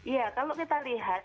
ya kalau kita lihat